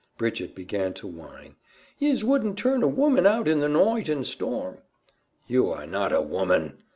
Bridget began to whine, "Yez wouldn't turn a woman out in the noight and storm." "You are not a woman!"